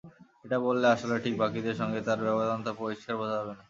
এটা বললে আসলে ঠিক বাকিদের সঙ্গে তাঁর ব্যবধানটা পরিষ্কার বোঝা যাবে না।